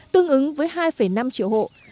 tương ứng với hai năm triệu hộ